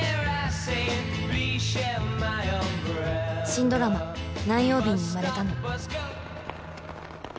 新ドラマ「何曜日に生まれたの」。